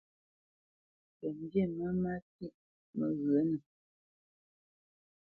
Tə mbî mə́ má fít məghyənə.